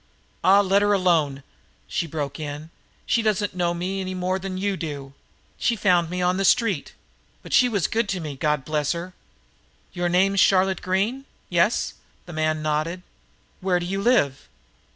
"Ah, let her alone!" she broke in. "She doesn't know me any more than you do. She found me on the street. But she was good to me, God bless her!" "Your name's Charlotte Green? Yes?" The man nodded. "Where do you live?"